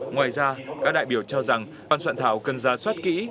ngoài ra các đại biểu cho rằng ban soạn thảo cần ra soát kỹ